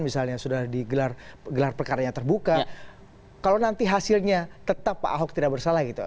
misalnya sudah digelar gelar perkaranya terbuka kalau nanti hasilnya tetap pak ahok tidak bersalah gitu